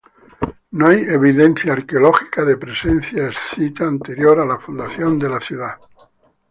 No hay evidencia arqueológica de presencia escita anterior a la fundación de la ciudad.